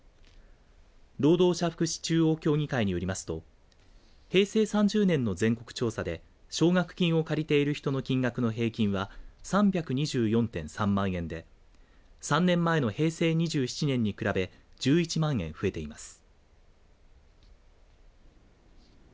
労働者福祉中央協議会によりますと平成３０年の全国調査で奨学金を借りている人の金額の平均は３２４．３万円で３年前の平成２７年に比べ１１万円、増えています。